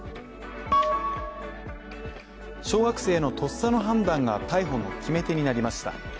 小学生のとっさの判断が逮捕の決め手になりました。